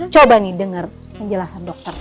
coba nih dengar penjelasan dokter